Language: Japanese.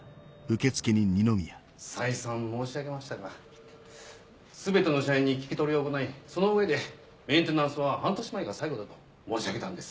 再三申し上げましたが全ての社員に聞き取りを行いその上でメンテナンスは半年前が最後だと申し上げたんです。